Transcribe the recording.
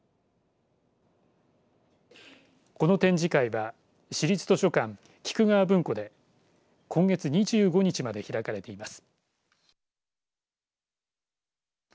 この展示会は市立図書館菊川文庫で今月２５日まで開かれています。